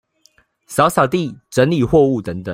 掃掃地、整理貨物等等